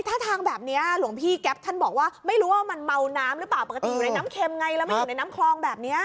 ท่าทางแบบนี้หลวงพี่แก๊ปท่านบอกว่าไม่รู้ว่ามันเมาน้ำหรือเปล่าปกติอยู่ในน้ำเค็มไงแล้วไม่อยู่ในน้ำคลองแบบนี้